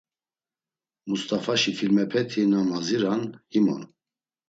Must̆afaşi filmepeti na maziran him on.